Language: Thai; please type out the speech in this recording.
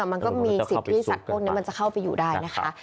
มันก็มีสิทธิ์ที่สัตว์พวกนี้มันจะเข้าไปอยู่ได้นะคะ